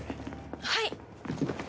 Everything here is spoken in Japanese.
はい。